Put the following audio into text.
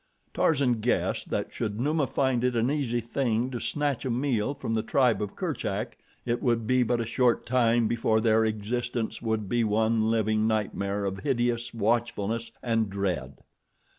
Tarzan guessed that should Numa find it an easy thing to snatch a meal from the tribe of Kerchak, it would be but a short time before their existence would be one living nightmare of hideous watchfulness and dread.